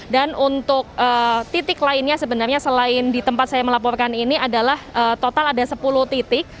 dan untuk titik lainnya sebenarnya selain di tempat saya melaporkan ini adalah total ada sepuluh titik